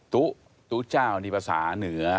ตุ๊ตุเจ้านี่ภาษาเหนือ